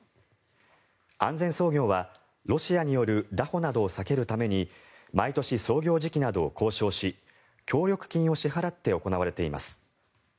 安全操業はロシアによるだ捕などを避けるために毎年、操業時期などを交渉し協力金を支払って行われています。